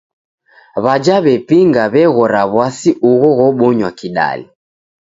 W'aja w'epinga w'eghora w'asi ugho ghobonywa kidali.